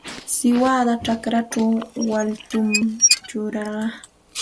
Siwada chakrachaw waallutam churarqaa.